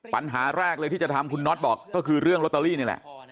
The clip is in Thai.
ปัญหาแรกเลยที่จะทำคุณน็อตบอกก็คือเรื่องลอตเตอรี่นี่แหละ